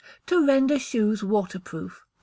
To Render Shoes Waterproof (2).